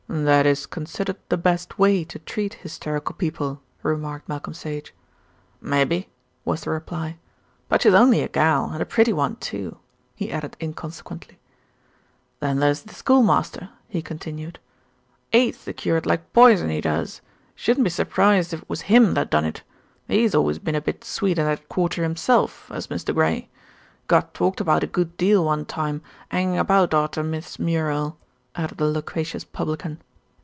"That is considered the best way to treat hysterical people," remarked Malcolm Sage. "Maybe," was the reply, "but she's only a gal, and a pretty one too," he added inconsequently. "Then there's the schoolmaster," he continued, "'ates the curate like poison, he does. Shouldn't be surprised if it was him that done it. 'E's always been a bit sweet in that quarter himself, has Mr. Gray. Got talked about a good deal one time, 'angin' about arter Miss Muriel," added the loquacious publican.